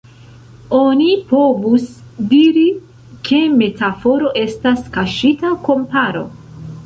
Oni povus diri, ke metaforo estas kaŝita komparo.